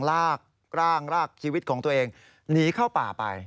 ลากร่างลากชีวิตของตัวเองหนีเข้าป่าไป